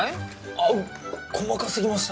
あッ細かすぎました？